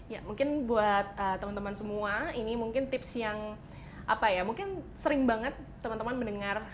ya mungkin buat teman teman semua ini mungkin tips yang apa ya mungkin sering banget teman teman mendengar